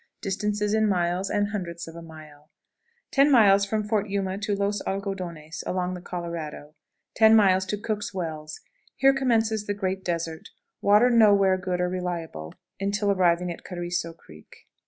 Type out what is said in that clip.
_ [Distances in miles and hundredths of a mile.] Miles. Fort Yuma to 10.00. Los Algodones. Along the Colorado. 10.00. Cook's Wells. Here commences the great desert; water nowhere good or reliable until arriving at Carizo Creek.